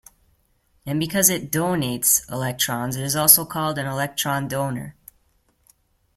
And because it "donates" electrons it is also called an electron donor.